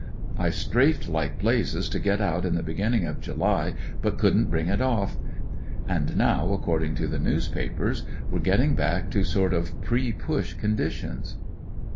I strafed like blazes to get out in the beginning of July, but couldn't bring it off. And now, according to the newspapers, we're getting back to sort of pre Push conditions."